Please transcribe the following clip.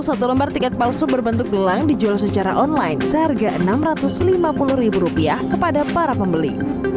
satu lembar tiket palsu berbentuk gelang dijual secara online seharga rp enam ratus lima puluh kepada para pembeli